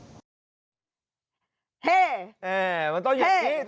เริ่มใหม่ไทรแลนด์กับไทรัตท์เท่